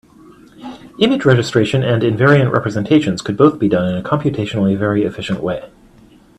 Image registration and invariant representations could both be done in a computationally very efficient way.